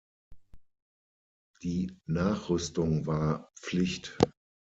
Die Nachrüstung war Pflicht.